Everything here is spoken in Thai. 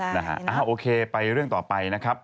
ได้นะครับโอเคไปเรื่องต่อไปนะครับ